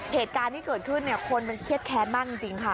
เหตุการณ์ที่เกิดขึ้นเนี่ยคนมันเครียดแค้นมากจริงค่ะ